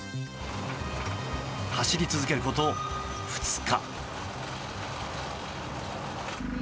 走り続けること２日。